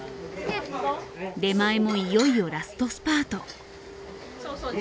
出前もいよいよラストスパート。